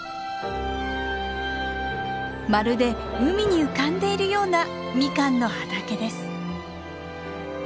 まるで海に浮かんでいるようなミカンの畑です。